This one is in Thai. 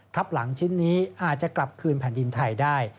หลังชิ้นนี้อาจจะกลับคืนแผ่นดินไทยได้